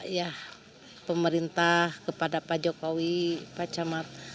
dimoongan kepada ya pemerintah kepada pak jokowi pak camat